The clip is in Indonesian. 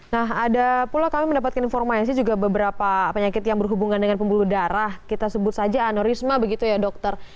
nah ada pula kami mendapatkan informasi juga beberapa penyakit yang berhubungan dengan pembuluh darah kita sebut saja anorisma begitu ya dokter